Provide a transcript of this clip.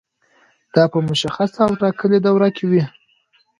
دا په مشخصه او ټاکلې دوره کې وي.